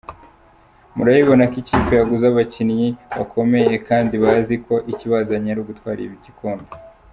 Murabibona ko ikipe yaguze abakinnyi bakomeye kandi bazi ko ikibazanye ari ugutwara igikombe.